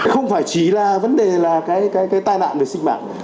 không phải chỉ là vấn đề là cái tai nạn về sinh mạng